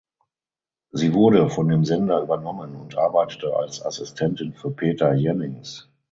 Sie wurde von dem Sender übernommen und arbeitete als Assistentin für Peter Jennings.